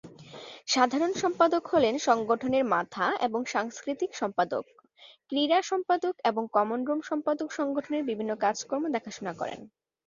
সাধারণ সম্পাদক হলেন সংগঠনের মাথা এবং সাংস্কৃতিক সম্পাদক, ক্রীড়া সম্পাদক এবং কমন রুম সম্পাদক সংগঠনের বিভিন্ন কাজকর্ম দেখাশোনা করেন।